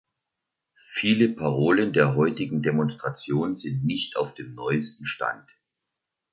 Viele Parolen der heutigen Demonstration sind nicht auf dem neuesten Stand.